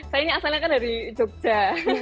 saya ini asalnya kan dari jogja